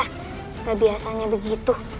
nggak biasanya begitu